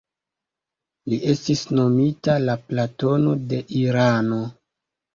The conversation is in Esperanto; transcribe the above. Li estis nomita «la Platono de Irano».